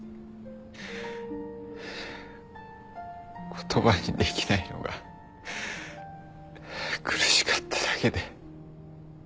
言葉にできないのが苦しかっただけで。